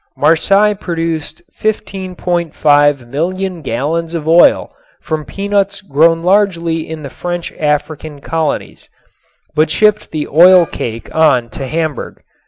Marseilles produced 15,500,000 gallons of oil from peanuts grown largely in the French African colonies but shipped the oil cake on to Hamburg.